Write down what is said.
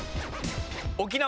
沖縄。